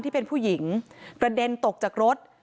ที่เป็นผู้หญิงกระเด็นตกจากรถ